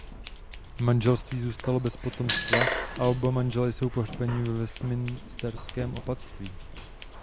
Manželství zůstalo bez potomstva a oba manželé jsou pohřbeni ve Westminsterském opatství.